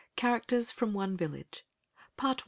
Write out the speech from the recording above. *Characters From One Village* *Part I.